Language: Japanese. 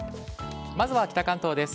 まずは北関東です。